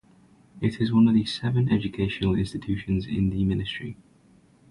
It is one of seven educational institutions in the ministry.